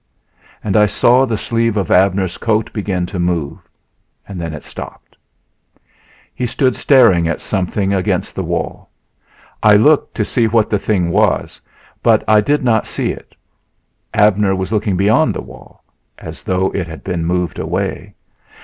And I saw the sleeve of Abner's coat begin to move, then it stopped. He stood staring at something against the wall. I looked to see what the thing was, but I did not see it. Abner was looking beyond the wall, as though it had been moved away.